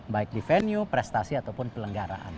baik di venue prestasi ataupun pelenggaraan